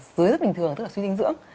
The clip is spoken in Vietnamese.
dưới dưới bình thường tức là suy dinh dưỡng